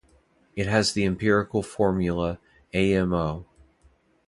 It has the empirical formula AmO.